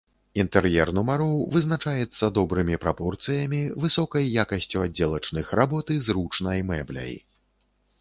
Інтэр'ер нумароў вызначаецца добрымі прапорцыямі, высокай якасцю аддзелачных работ і зручнай мэбляй.